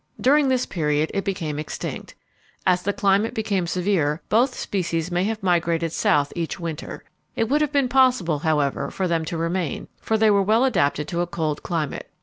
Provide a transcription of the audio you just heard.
During this period it became extinct. As the climate became severe, both species may have migrated south each winter. It would have been possible, however, for them to remain, for they were well adapted to a cold climate.